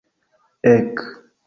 ek!